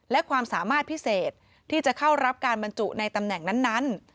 และความสามารถพิเศษที่จะเข้ารับการบรรจุในตำแหน่งนั้น